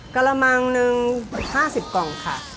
กระมังหนึ่ง๕๐กล่องค่ะ